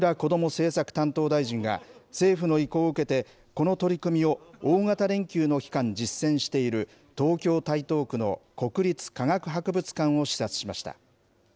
政策担当大臣が政府の意向を受けて、この取り組みを大型連休の期間実践している東京・台東区の国立科学博物館を視察しました。